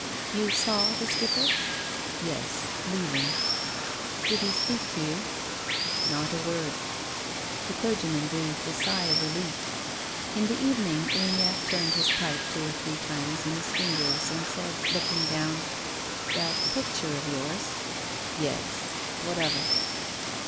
" You saw the Skipper?" " Yes, leaving." " Did he speak to you ?"" Not a word." The clergyman breathed a sigh of relief. In the evening Uniacke turned his pipe two or three times in his fingers and said, looking down :" That picture of yours —"" Yes. What of it